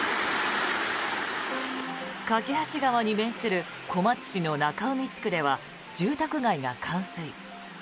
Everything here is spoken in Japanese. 梯川に面する小松市の中海地区では住宅街が冠水。